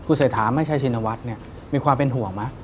คุณสายถามให้ชีนวัสเนี่ยมีความเป็นห่วงไหม